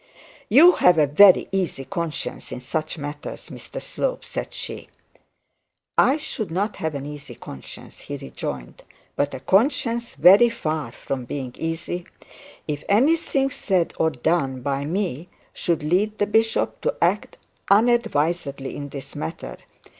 'You have a very easy conscience in such matters, Mr Slope,' said she. 'I should not have an easy conscience,' he rejoined, 'but a conscience very far from being easy, if anything said or done by me should lead the bishop to act unadvisedly on this matter.